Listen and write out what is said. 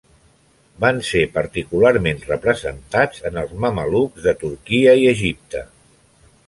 Van ser particularment representats en els mamelucs de Turquia i Egipte.